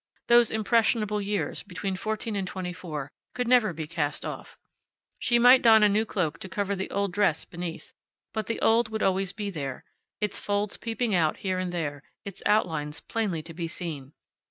Those impressionable years, between fourteen and twenty four, could never be cast off. She might don a new cloak to cover the old dress beneath, but the old would always be there, its folds peeping out here and there, its outlines plainly to be seen.